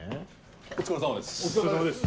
お疲れさまです。